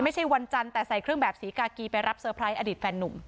ไม่ใช่วันจันทร์แต่ใส่เครื่องแบบศรีกากีไปรับเซอร์ไพรส์อดีตแฟนนุ่ม